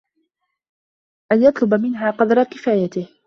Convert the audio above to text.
أَنْ يَطْلُبَ مِنْهَا قَدْرَ كِفَايَتِهِ